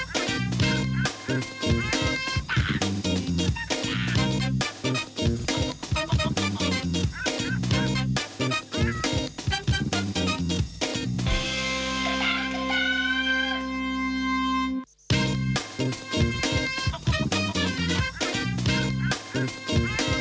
โปรดติดตามตอนต่อไป